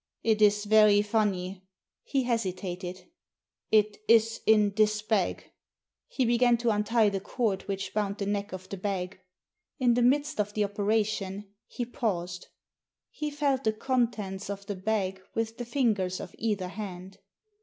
"It is very funny," He hesitated. "It is in this bag." He began to untie the cord which bound the neck of the bag. In the midst of the operation he paused. He felt the contents of the bag with the fingers of either hand.